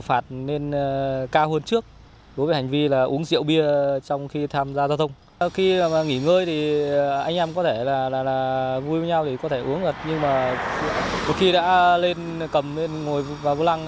anh em có thể là vui với nhau thì có thể uống gật nhưng mà một khi đã lên cầm lên ngồi vào vô lăng